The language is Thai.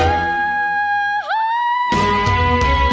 แน่แน่รู้เหรอ